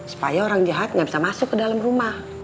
supaya orang jahat gak bisa masuk ke dalam rumah